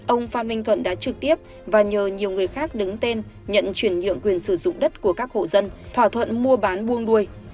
ông phan minh thuận đã trực tiếp và nhờ nhiều người khác đứng tên nhận chuyển nhượng quyền sử dụng đất của các hộ dân thỏa thuận mua bán buông đuôi